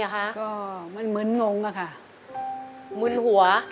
ค่ะ